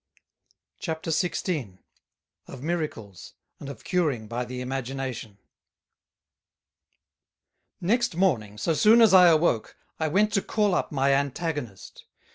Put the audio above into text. CHAPTER XVI. Of Miracles; and of Curing by the Imagination. Next Morning, so soon as I awoke, I went to call up my Antagonist.